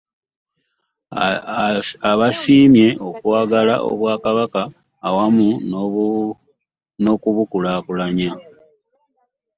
Abasiimye olw'okwagala Obwakabaka awamu n'okubukulaakulanya.